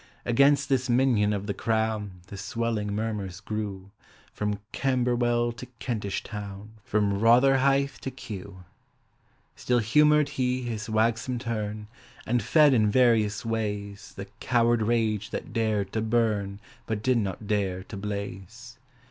Against this minion of the Crown The swelling murmurs grew From Camberwell to Kentish Town From Rotherhithe to Kew. Still humoured he his wagsome turn, And fed in various ways The coward rage that dared to burn But did not dare to blaze.